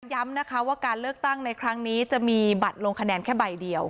ย้ำนะคะว่าการเลือกตั้งในครั้งนี้จะมีบัตรลงคะแนนแค่ใบเดียว